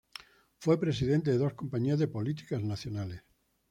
Fue presidente de dos compañías de políticas nacionales.